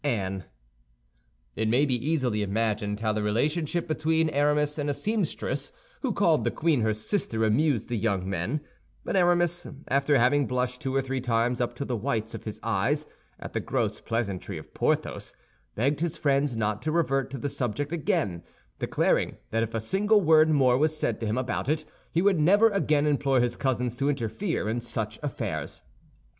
"ANNE" It may be easily imagined how the relationship between Aramis and a seamstress who called the queen her sister amused the young men; but Aramis, after having blushed two or three times up to the whites of his eyes at the gross pleasantry of Porthos, begged his friends not to revert to the subject again, declaring that if a single word more was said to him about it, he would never again implore his cousins to interfere in such affairs.